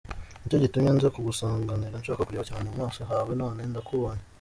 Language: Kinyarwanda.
Nicyo gitumye nza kugusanganira nshaka kureba cyane mu maso hawe none ndakubonye.